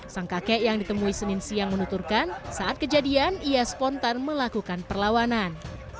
sang kakek yang ditemui senin siang menuturkan saat kejadian ia spontan melakukan perlawanan